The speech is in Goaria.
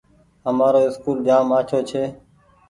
همآرو اسڪول جآم آڇو ڇي۔